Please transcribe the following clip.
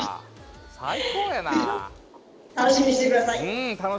最高やな。